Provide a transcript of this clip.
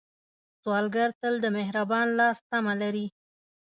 سوالګر تل د مهربان لاس تمه لري